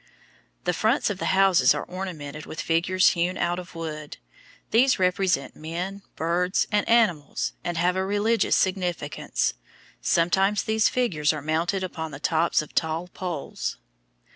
The fronts of the houses are ornamented with figures hewn out of wood. These represent men, birds and animals and have a religious significance. Sometimes these figures are mounted upon the tops of tall poles.